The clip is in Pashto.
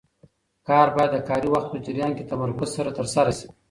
کار باید د کاري وخت په جریان کې تمرکز سره ترسره شي.